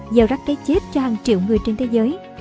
gieo rắc cái chết cho hàng triệu người trên thế giới